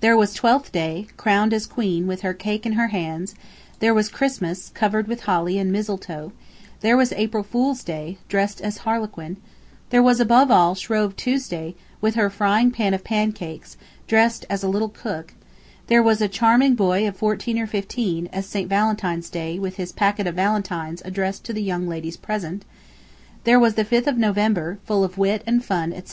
There was Twelfth Day, crowned as Queen with her cake in her hands; there was Christmas, covered with holly and mistletoe; there was April Fool's Day, dressed as Harlequin; there was, above all, Shrove Tuesday, with her frying pan of pancakes, dressed as a little cook; there was a charming boy of fourteen or fifteen, as St. Valentine's Day with his packet of valentines addressed to the young ladies present; there was the 5th of November, full of wit and fun, etc.